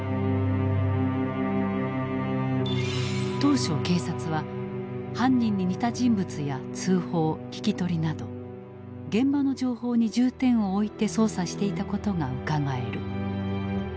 当初警察は犯人に似た人物や通報聞き取りなど現場の情報に重点を置いて捜査していたことがうかがえる。